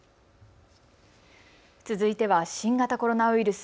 続いては新型コロナウイルス。